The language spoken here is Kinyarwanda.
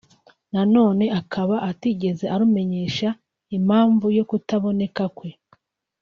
na none akaba atigeze arumenyesha impamvu yo kutaboneka kwe